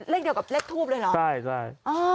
เลขเดียวกับเลขทูปเลยเหรอใช่ใช่